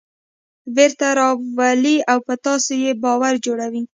بېرته راولي او په تاسې یې باور جوړوي.